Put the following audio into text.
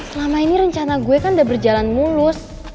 selama ini rencana gue kan udah berjalan mulus